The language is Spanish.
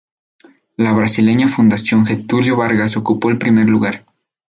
La brasileña Fundación Getulio Vargas ocupó el primer lugar.